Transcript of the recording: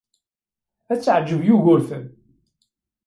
Ad teɛjeb Yugurten.